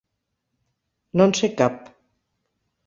No en sé cap.